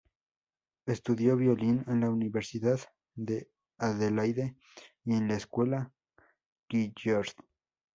Estudió violín en la Universidad de Adelaide y en la Escuela Juilliard.